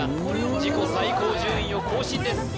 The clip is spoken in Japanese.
自己最高順位を更新です